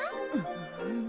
うん！